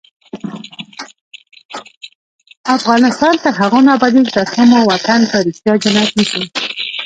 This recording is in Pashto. افغانستان تر هغو نه ابادیږي، ترڅو مو وطن په ریښتیا جنت نشي.